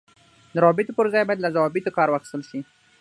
د روابطو پر ځای باید له ضوابطو کار واخیستل شي.